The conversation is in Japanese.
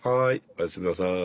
おやすみなさい。